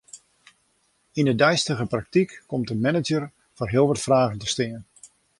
Yn 'e deistige praktyk komt de manager foar heel wat fragen te stean.